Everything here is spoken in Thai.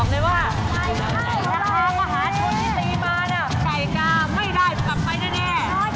เท่าไหร่เท่าไหร่